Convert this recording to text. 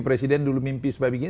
presiden dulu mimpi sebab begini